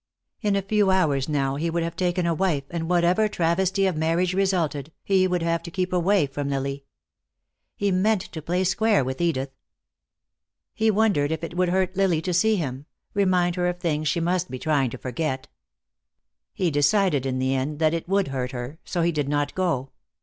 In a few hours now he would have taken a wife, and whatever travesty of marriage resulted, he would have to keep away from Lily. He meant to play square with Edith. He wondered if it would hurt Lily to see him, remind her of things she must be trying to forget. He decided in the end that it would hurt her, so he did not go.